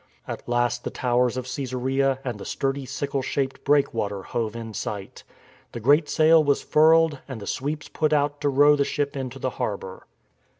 At last the towers of Csesarea and the sturdy sickle shaped breakwater hove in sight. The great sail was furled and the sweeps put out to row the ship into harbour.